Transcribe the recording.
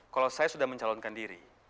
kalau saya sudah mencalonkan diri